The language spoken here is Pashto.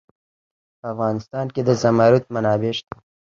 په افغانستان کې د زمرد منابع شته.